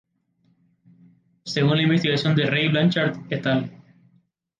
Según la investigación de Ray Blanchard et al.